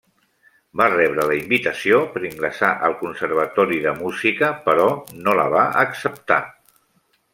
Va rebre la invitació per ingressar al Conservatori de Música, però no la va acceptar.